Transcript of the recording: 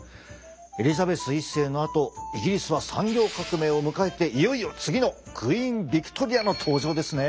エリザベス１世のあとイギリスは産業革命を迎えていよいよ次のクイーンヴィクトリアの登場ですね！